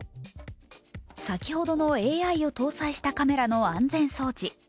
先ほどのＡＩを搭載したカメラの安全装置。